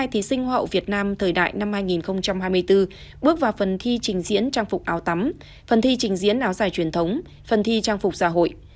hai mươi thí sinh họ việt nam thời đại năm hai nghìn hai mươi bốn bước vào phần thi trình diễn trang phục áo tắm phần thi trình diễn áo dài truyền thống phần thi trang phục giả hội